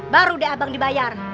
baru deh abang dibayar